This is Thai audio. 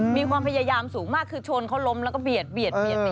มีความพยายามสูงมากคือชนเขาล้มแล้วก็เบียด